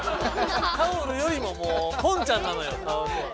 タオルよりももうポンちゃんなのよカワウソは。